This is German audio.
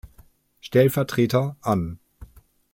Stellvertreter an.